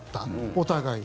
お互い。